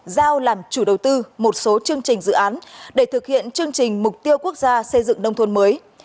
giao làm chủ đầu tư một số chương trình dự án để thực hiện chương trình mục tiêu quốc gia xây dựng nông thôn mới